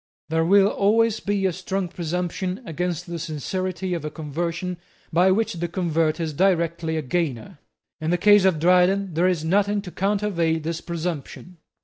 There will always be a strong presumption against the sincerity of a conversion by which the convert is directly a gainer. In the case of Dryden there is nothing to countervail this presumption.